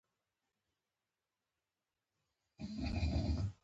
تودوخه د ټولو افغانانو د تفریح یوه وسیله ده.